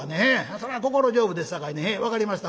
そら心丈夫ですさかいに分かりました。